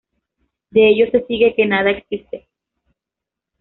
De ello se sigue que nada existe.